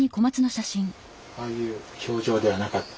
ああいう表情ではなかった？